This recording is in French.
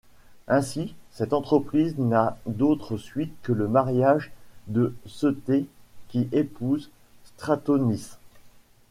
Ainsi cette entreprise n'a d'autre suite que le mariage de Seuthès qui épouse Stratonice.